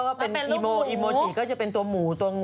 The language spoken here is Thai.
แล้วก็เป็นอีโมจีก็เป็นตัวหมูตัวงอ